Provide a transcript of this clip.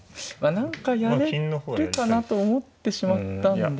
何かやれるかなと思ってしまったんで。